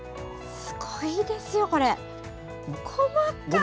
すごいですよ、これ。